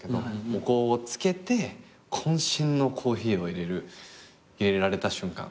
お香をつけて渾身のコーヒーを入れられた瞬間。